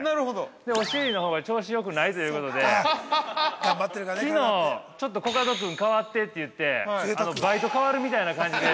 お尻のほうが調子よくないということできのう、ちょっとコカド君代わってって言ってバイト代わるみたいな感じで。